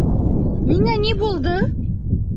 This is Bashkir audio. Миңә ни булды?